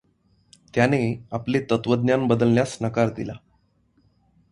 त्याने आपले तत्त्वज्ञान बदलण्यास नकार दिला.